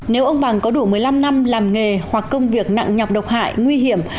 nếu ông bằng có đủ một mươi năm năm làm nghề hoặc công việc nặng nhọc độc hại nguy hiểm